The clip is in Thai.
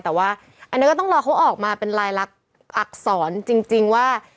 แต่ว่าอันนี้ก็ต้องรอเขาออกมาเป็นลายลักษณ์อักษรจริงว่า